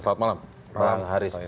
selamat malam bang haris